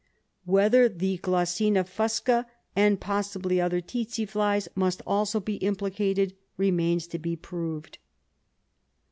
Whether the G. fusca, and possibly other tsetse flies, must also be implicated, re mains to be proved.